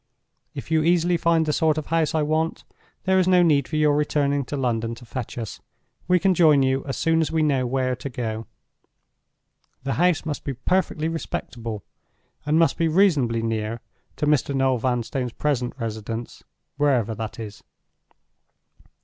If you easily find the sort of house I want, there is no need for your returning to London to fetch us. We can join you as soon as we know where to go. The house must be perfectly respectable, and must be reasonably near to Mr. Noel Vanstone's present residence, wherever that is.